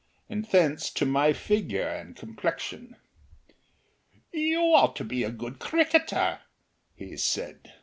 And thence to my figure and complexion. "YOU ought to be a good cricketer," he said.